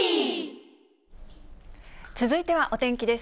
続いてはお天気です。